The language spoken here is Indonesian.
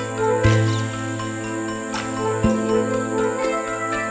jangan sampai dia lolos